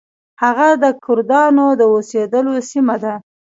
هغه د کردانو د اوسیدلو سیمه ده.